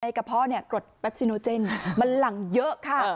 กระเพาะเนี่ยกรดแป๊บซิโนเจนมันหลั่งเยอะค่ะ